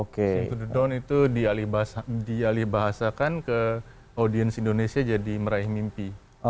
sing to the dawn itu dialihbahasakan ke audiens indonesia jadi meraih mimpi